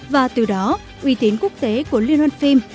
và từ đó uy tín quốc tế của liên hoàn phim